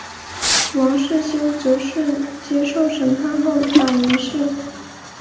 王世修则是接受审判后斩于市。